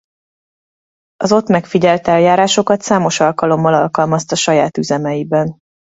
Az ott megfigyelt eljárásokat számos alkalommal alkalmazta saját üzemeiben.